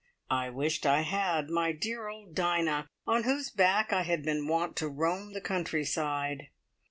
I wished I had my dear old Dinah, on whose back I had been wont to roam the country side.